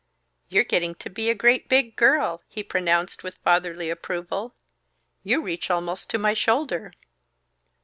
"You're getting to be a great big girl!" he pronounced with fatherly approval. "You reach almost to my shoulder."